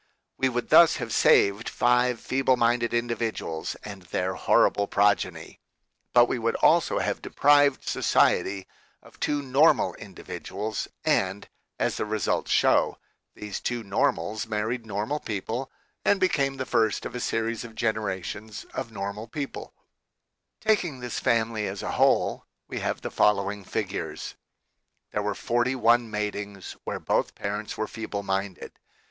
We would thus have saved five feeble minded individuals and their horrible progeny, but we would also have deprived society of two normal indi viduals ; and, as the results show, these two normals married normal people and became the first of a series of generations of normal people. ii4 THE KALLIKAK FAMILY Taking this family as a whole, we have the following figures : There were 41 matings where both parents were feeble minded.